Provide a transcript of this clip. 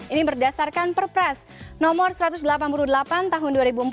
ini berdasarkan perpres nomor satu ratus delapan puluh delapan tahun dua ribu empat belas